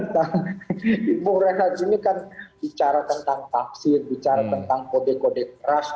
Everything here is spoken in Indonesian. ibu rekha gini kan bicara tentang taksir bicara tentang kode kode keras